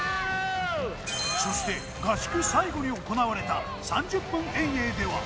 そして合宿最後に行われた３０分遠泳では。